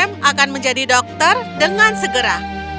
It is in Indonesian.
paman sam akan menjadi dokter dengan segera